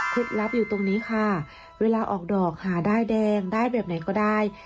ลับอยู่ตรงนี้ค่ะเวลาออกดอกหาด้ายแดงได้แบบไหนก็ได้